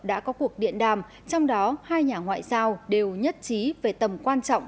đã có cuộc điện đàm trong đó hai nhà ngoại giao đều nhất trí về tầm quan trọng